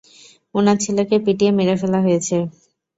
উনার ছেলেকে পিটিয়ে মেরে ফেলা হয়েছে।